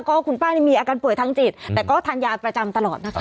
ก็คุณป้านี่มีอาการป่วยทางจิตแต่ก็ทานยาประจำตลอดนะคะ